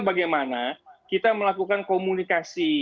bagaimana kita melakukan komunikasi